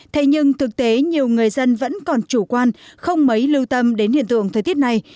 thế nhưng thực tế nhiều người dân vẫn còn chủ quan không mấy lưu tâm đến hiện tượng thời tiết này